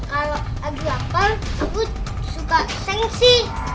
kalau lagi lapar aku suka sengsi